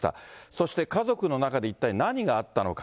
そして家族の中で、一体何があったのか。